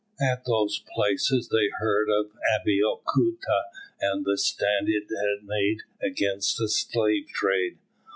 At those places they heard of Abeokuta and the stand it had made against the slave trade.